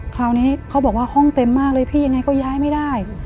คราวนี้เขาบอกว่าห้องเต็มมากเลยพี่ยังไงก็ย้ายไม่ได้